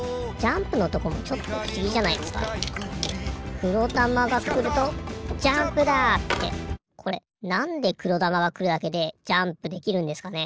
くろだまがくると「ジャンプだ！」ってこれなんでくろだまがくるだけでジャンプできるんですかね？